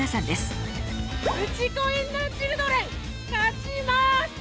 内子インナーチルドレン勝ちます！